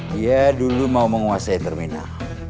dia dulu mau menguasai terminal